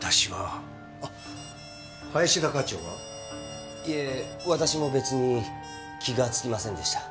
あっ林田課長は？いえ私も別に気がつきませんでした。